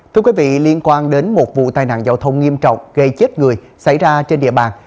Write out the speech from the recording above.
thưa quý vị liên quan đến một vụ tai nạn giao thông nghiêm trọng gây chết người xảy ra trên địa bàn